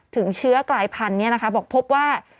ถึงเชื้อกลายพันธุ์นี้นะคะบอกพบว่า